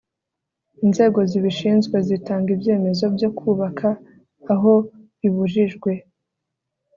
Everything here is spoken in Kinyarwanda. inzego zibishinzwe zitanga ibyemezo byo kubaka aho bibujijwe